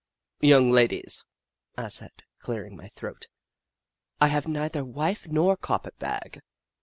"Young ladies," I said, clearing my throat, " I have neither wife nor carpet bag.